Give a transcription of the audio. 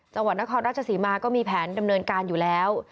จังหวัดนครราชศรีมาก็มีแผนดำเนินการอยู่แล้ว